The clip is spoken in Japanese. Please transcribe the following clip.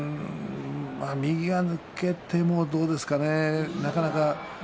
右が抜けてもどうなんでしょうかね。